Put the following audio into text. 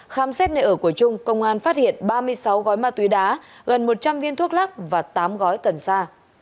khám xét nơi ở của trung công an phát hiện ba mươi sáu gói ma túy đá gần một trăm linh viên thuốc lắc và tám gói cần sa